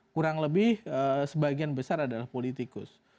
kurang lebih sebagian besar adalah politikus